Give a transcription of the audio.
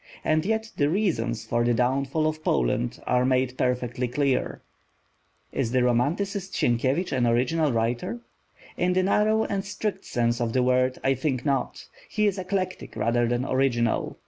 And yet the reasons for the downfall of Poland are made perfectly clear. Is the romanticist Sienkiewicz an original writer? In the narrow and strict sense of the word, I think not. He is eclectic rather than original.